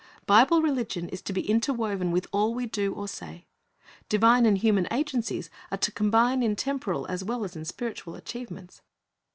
Bible religion is to be interwoven with all we do or say. Divine and human agencies are to combine in temporal as well as in spiritual achievements.